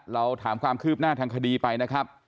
ทอะระวังคืบหน้าทางคดีไปนะครับ